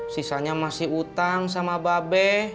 sisanya masih utang sama babe